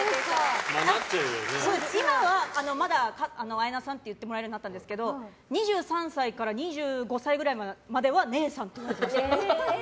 今はまだ綾菜さんって言ってもらえるようになったんですけど２３歳から２５歳くらいまでは姉さんって呼ばれていました。